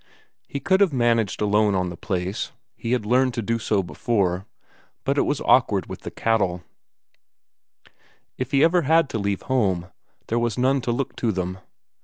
He could have managed alone on the place, he had learned to do so before, but it was awkward with the cattle; if ever he had to leave home, there was none to look to them.